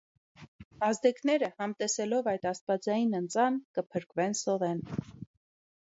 Ազդեքները, համտեսելով այդ աստուածային ընծան, կը փրկուէին սովէն։